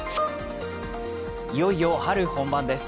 いよいよ春本番です。